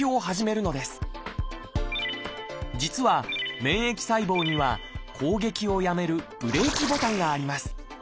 実は免疫細胞には攻撃をやめるブレーキボタンがあります。